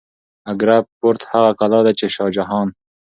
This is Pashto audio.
اګره فورت هغه کلا ده چې شاه جهان